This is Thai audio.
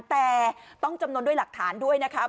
แต่ต้องจำนวนด้วยหลักฐานด้วยนะครับ